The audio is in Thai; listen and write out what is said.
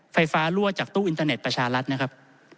ไฟฟ้ารั่วจากตู้อินเทอร์เน็ตประชารัฐนะครับ